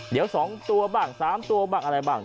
เดี๋ยว๒ตัวบ้าง๓ตัวบ้างอะไรบ้าง